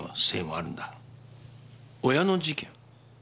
親の事件？